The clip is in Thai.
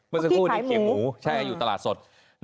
วนสักครู่เขียนหมูใช่อยู่ตลาดสด